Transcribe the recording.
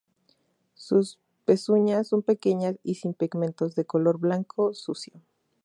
Sus pezuñas son pequeñas y sin pigmentos, de color blanco sucio.